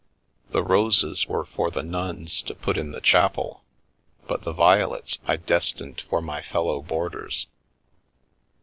The roses were for the nuns to put in the chapel, but the violets I destined for my fellow I Get Me to a Nunnery boarders.